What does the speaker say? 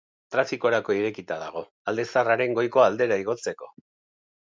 Trafikorako irekita dago, Alde Zaharraren goiko aldera igotzeko.